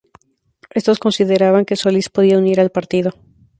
Estos consideraban que Solís podía unir al partido.